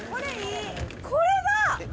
これだ。